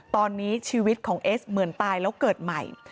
ตอนนี้ชีวิตของเอสเหมือนตายแล้วเกิดใหม่